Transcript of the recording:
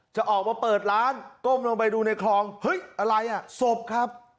จะออกมาเปิดร้านก้มลงไปดูในคลองเฮ้ยอะไรอ่ะศพครับ